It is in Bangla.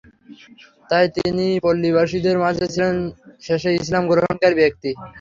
তাই তিনিই পল্লীবাসীদের মাঝে ছিলেন শেষে ইসলাম গ্রহণকারী ব্যক্তি।